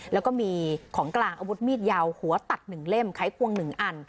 แล้วก็มีของกลางอาวุธมีดยาวหัวตัดหนึ่งเล่มไข้กวงหนึ่งอัน